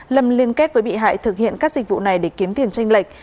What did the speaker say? lâm liên kết với bị hại thực hiện các dịch vụ này để kiếm tiền tranh lệch